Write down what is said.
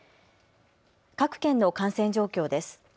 各県の感染状況です。